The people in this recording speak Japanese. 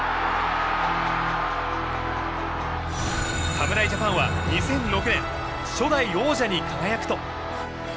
侍ジャパンは２００６年初代王者に輝くと。